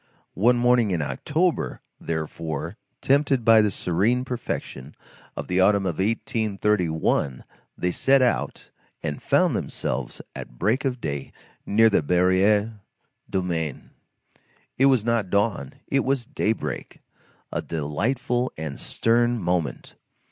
One morning in October, therefore, tempted by the serene perfection of the autumn of 1831, they set out, and found themselves at break of day near the Barrière du Maine. It was not dawn, it was daybreak; a delightful and stern moment.